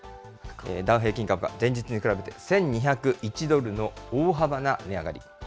ダウ平均株価、前日に比べて１２０１ドルの大幅な値上がり。